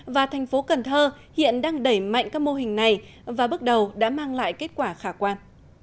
và thành phố cần thơ hiện đang đẩy mạnh các mô hình này và bước đầu đã mang lại kết quả khả quan